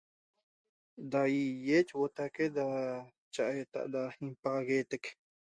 Da ihie botaque da chaheta' da ñapaxagueteq